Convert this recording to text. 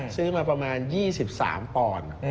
ซื้อมาประมาณ๒๓ปอนด์